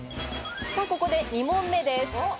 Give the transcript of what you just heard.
さあ、ここで２問目です。